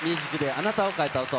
あなたを変えた音。